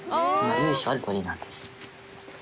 由緒ある鳥居なんです。